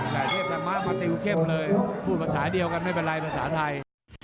แกเทพแกม้มันอยู่เก็บเลยพูดภาษาเดียวกันไม่เป็นไรภาษาไทย